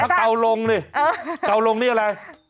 เฮ้ยถ้าเก่าลงนี่เก่าลงนี่อะไร